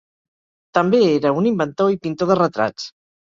També era un inventor i pintor de retrats.